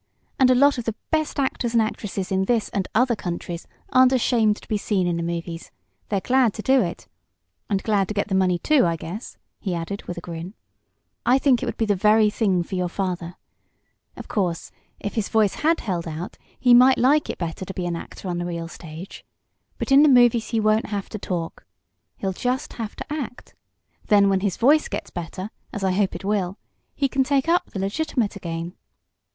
And a lot of the best actors and actresses in this and other countries aren't ashamed to be seen in the movies. They're glad to do it, and glad to get the money, too, I guess," he added, with a grin. "I think it would be the very thing for your father. Of course, if his voice had held out he might like it better to be an actor on the real stage. But in the movies he won't have to talk. He'll just have to act. Then, when his voice gets better, as I hope it will, he can take up the legitimate again."